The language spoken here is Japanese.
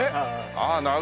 ああなるほど。